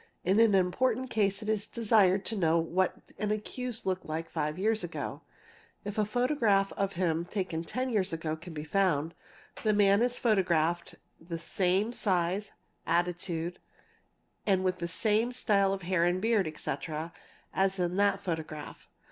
In an important case it is desired to | know what an accused looked like five years ago. If a photograph of ~ him taken 10 years ago can be found the man is photographed the same | size, attitude, and with the same style of hair and beard, etc., as in that | photograph.